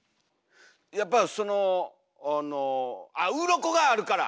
やっぱそのあのあっうろこがあるから！